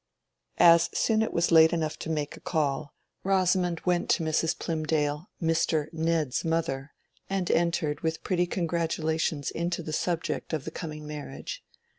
As soon as it was late enough to make a call, Rosamond went to Mrs. Plymdale, Mr. Ned's mother, and entered with pretty congratulations into the subject of the coming marriage.